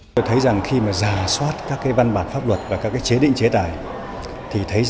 tôi thấy rằng khi mà giả soát các cái văn bản pháp luật và các cái chế định chế tài thì thấy